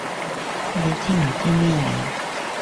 你知唔知咩嚟？